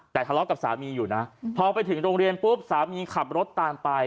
แต่ทะเลาะกับสามีอยู่นะพอไปถึงโรงเรียนปุ๊บสามีขับรถตามไป